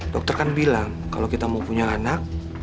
dokter kan bilang kalau kita mau punya anak